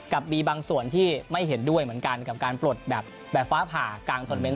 กับมีบางส่วนที่ไม่เห็นด้วยเหมือนกันกับการปลดแบบฟ้าผ่ากลางทอนเมนต